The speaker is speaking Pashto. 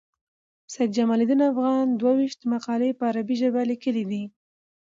سید جمال الدین افغان دوه ویشت مقالي په عربي ژبه لیکلي دي.